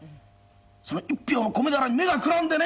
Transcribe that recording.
その一俵の米俵に目がくらんでね